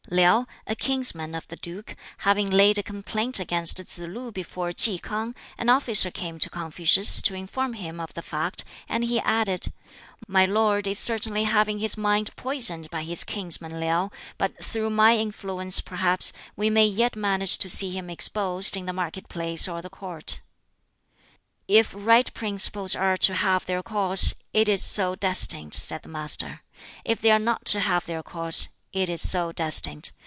LiŠu, a kinsman of the duke, having laid a complaint against Tsz lu before Ki K'ang, an officer came to Confucius to inform him of the fact, and he added, "My lord is certainly having his mind poisoned by his kinsman LiŠu, but through my influence perhaps we may yet manage to see him exposed in the marketplace or the Court." "If right principles are to have their course, it is so destined," said the Master; "if they are not to have their course, it is so destined.